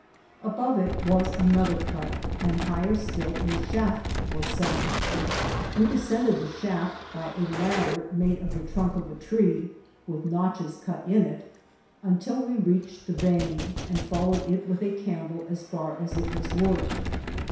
Above it was another cut, and higher still a shaft was sunk. We descended the shaft by a ladder made of the trunk of a tree, with notches cut in it, until we reached the vein, and followed it with a candle as far as it was worked.